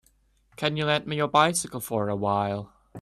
Can you lend me your bicycle for a while.